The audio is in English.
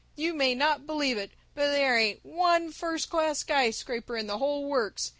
You may not believe it, but there ain't one first class skyscraper in the whole works.